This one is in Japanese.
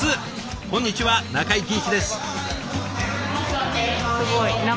こんにちは中井貴一です。